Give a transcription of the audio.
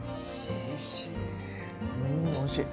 うんおいしい。